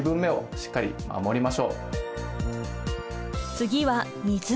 次は水！